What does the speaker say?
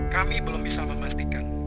kami belum bisa memastikan